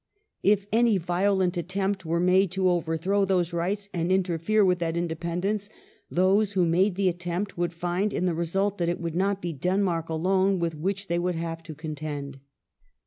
... If any violent attempt were made to overthrow those rights and interfere with that inde pendence, those who made the attempt would find in the result that it would not be Denmark alone with which they would have to contend."